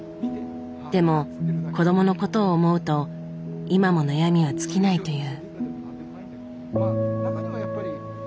でも子どものことを思うと今も悩みは尽きないという。